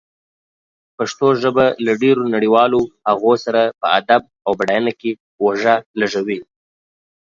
پښتو ژبه له ډېرو نړيوالو هغو سره په ادب او بډاینه کې اوږه لږوي.